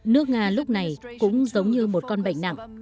nước nga lúc này cũng giống như một con bệnh nặng